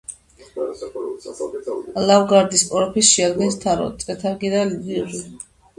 ლავგარდნის პროფილს შეადგენს თარო, წრეთარგი და ლილვი.